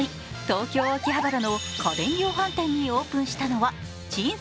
東京・秋葉原の家電量販店にオープンしたのはチン！